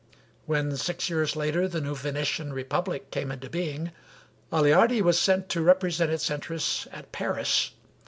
When six years later the new Venetian republic came into being, Aleardi was sent to represent its interests at Paris.